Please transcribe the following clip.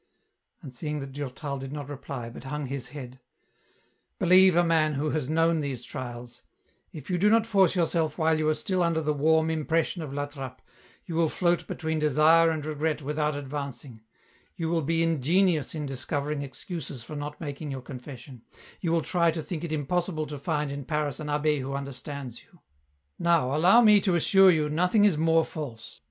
And seeing that Durtal did not reply, but hung his head, " Believe a man who has known these trials ; if you do not force yourself while you are still under the warm im pression of La Trappe, you will float between desire and regret without advancing ; you will be ingenious in discov ering excuses for not making your confession ; you will try to think it impossible to find in Paris an a.hh6 who under stands you. Now allow me to assure you nothing is more false.